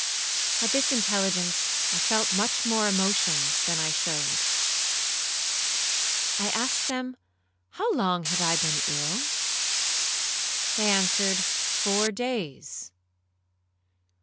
At this intelligence I felt much more emotion than I showed. I asked them how long I had been ill? They answered, Four days.